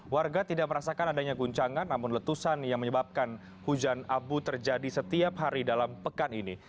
warga tidak merasakan adanya guncangan namun letusan yang menyebabkan hujan abu terjadi setiap hari dalam pekan ini